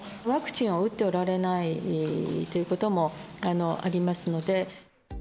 ワクチンを打っておられないということもありますので。